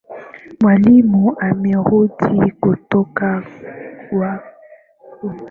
Mwalimu amerudi kutoka kwao